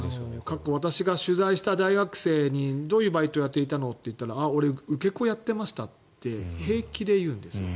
過去私が取材した大学生にどういうバイトをやっていたの？と聞くと俺、受け子やってましたって平気で言うんです。